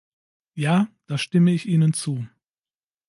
Ja, da stimme ich Ihnen zu.